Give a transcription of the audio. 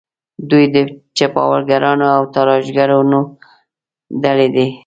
دوی د چپاولګرانو او تاراجګرانو ډلې دي.